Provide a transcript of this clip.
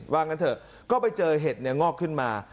งั้นเถอะก็ไปเจอเห็ดเนี่ยงอกขึ้นมา